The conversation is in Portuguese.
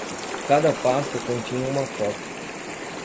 Cada pasta continha uma foto.